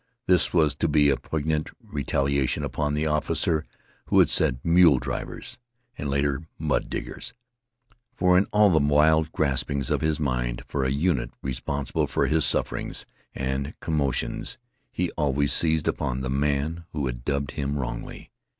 This was to be a poignant retaliation upon the officer who had said "mule drivers," and later "mud diggers," for in all the wild graspings of his mind for a unit responsible for his sufferings and commotions he always seized upon the man who had dubbed him wrongly.